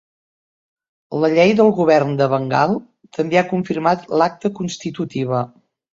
La Llei del govern de Bengal també ha confirmat l'acta constitutiva.